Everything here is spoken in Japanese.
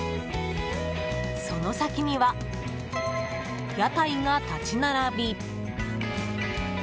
その先には、屋台が立ち並び。